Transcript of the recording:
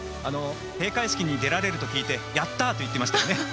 閉会式に出られると聞いてやった！と言ってましたよね